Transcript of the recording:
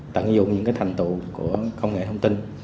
tận dụng những cái thành tụ của công nghệ thông tin